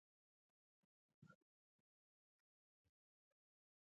د زړه د ضربان د تنظیم لپاره کیله وخورئ